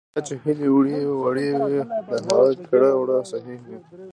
د چا چې هیلې وړې وي، د هغه کړه ـ وړه صحیح وي .